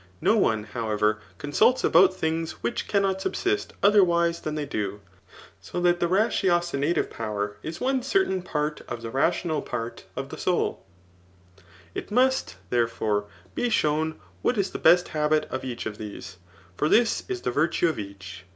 No one, however, consults about things which cannot subdst otherwise than they do ; so that the ratiocinative power is one certain part of the rational part of the souL It must, therefore^ be shown what is the best habit of each of these. For this is th^ virtue of each.